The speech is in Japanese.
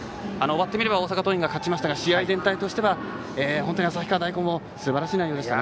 終わってみれば大阪桐蔭が勝ちましたが試合全体としては本当に旭川大高もすばらしい内容でしたね。